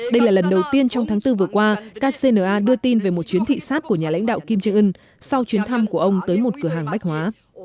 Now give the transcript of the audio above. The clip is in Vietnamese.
đây là lần đầu tiên trong tháng bốn vừa qua kcna đưa tin về một chuyến thị sát của nhà lãnh đạo kim jong un sau chuyến thăm của ông tới một cửa hàng bách hóa